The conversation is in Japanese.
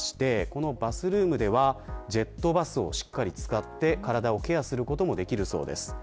このバスルームではジェットバスを使って体をケアすることもできるそうです。